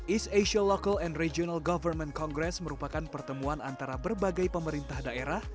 east asia local and regional government congress merupakan pertemuan antara berbagai pemerintah daerah